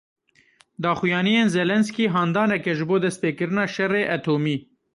Daxuyaniyên Zelensky handanek e ji bo destpêkirina şerê etomî.